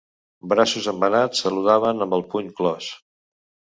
Braços embenats saludaven amb el puny clos